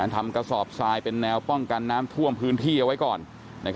กระสอบทรายเป็นแนวป้องกันน้ำท่วมพื้นที่เอาไว้ก่อน